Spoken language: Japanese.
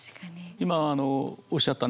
今あのおっしゃったね